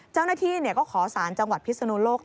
เจ้าหน้าที่ก็ขอสารจังหวัดพิศนุโลก